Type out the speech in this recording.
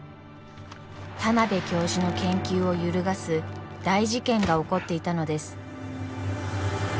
田邊教授の研究を揺るがす大事件が起こっていたのです。